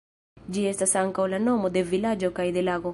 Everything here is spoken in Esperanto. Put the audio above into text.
Ĝi estas ankaŭ la nomo de vilaĝo kaj de lago.